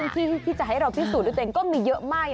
ที่จะให้เราพิสูจน์ด้วยตัวเองก็มีเยอะไม่